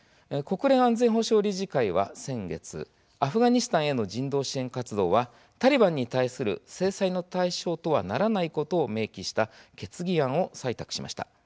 国連安全保障理事会は先月アフガニスタンへの人道支援活動はタリバンに対する制裁の対象とならないことを明記した決議案を採択しました。